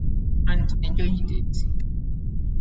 And enjoy it.